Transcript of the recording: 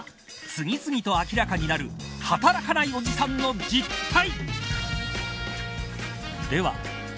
次々と明らかになる働かないおじさんの実態。